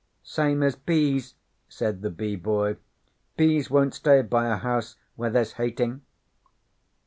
'Same as bees,' said the Bee Boy. 'Bees won't stay by a house where there's hating.'